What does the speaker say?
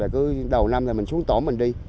cứ đầu năm là mình xuống tổn mình đi